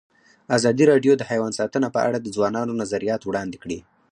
ازادي راډیو د حیوان ساتنه په اړه د ځوانانو نظریات وړاندې کړي.